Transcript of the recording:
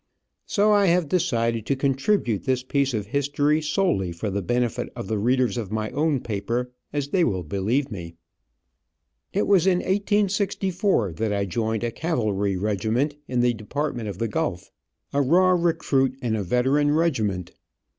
So I have decided to contribute this piece of history solely for the benefit of the readers of my own paper, as they will believe me. It was in 1864 that I joined a cavalry regiment in the department of the Gulf, a raw recruit in a veteran regiment.